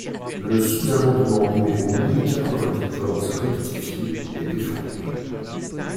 Le sous-amendement numéro mille quatre-vingt-quatorze rectifié est défendu.